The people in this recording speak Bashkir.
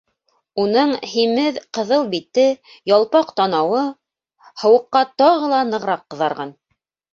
Уның һимеҙ ҡыҙыл бите, ялпаҡ танауы һыуыҡҡа тағы ла нығыраҡ ҡыҙарған.